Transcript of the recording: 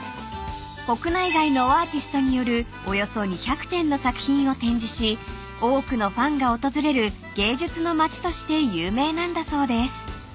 ［国内外のアーティストによるおよそ２００点の作品を展示し多くのファンが訪れる芸術の町として有名なんだそうです］